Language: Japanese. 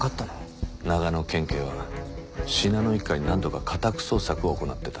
長野県警は信濃一家に何度か家宅捜索を行ってた。